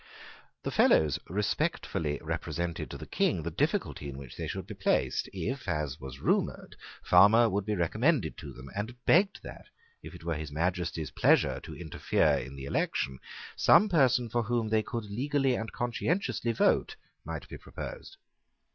The Fellows respectfully represented to the King the difficulty in which they should be placed, if, as was rumoured, Farmer should be recommended to them, and begged that, if it were His Majesty's pleasure to interfere in the election, some person for whom they could legally and conscientiously vote might be proposed.